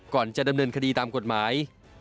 ก่อนจะดำเนินคดีตามกฎหมาย